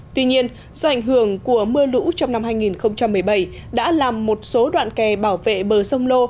tuy nhiên do ảnh hưởng của mưa lũ trong năm hai nghìn một mươi bảy đã làm một số đoạn kè bảo vệ bờ sông lô